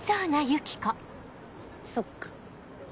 そっか。